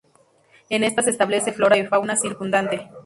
En estas se establece flora y fauna circundante.